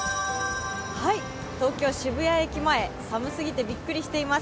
東京・渋谷駅前寒すぎてびっくりしています